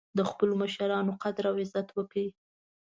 د خپلو مشرانو قدر او عزت وکړئ